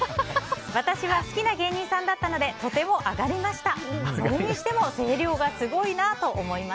私は好きな芸人さんだったのでとても上がりました。